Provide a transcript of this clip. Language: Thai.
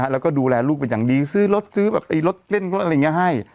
แล้วก็ดูแลลูกเป็นอย่างดีซื้อรถซื้อแบบรถเล่นอะไรอย่างนี้ให้